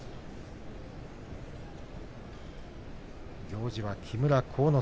行司は木村晃之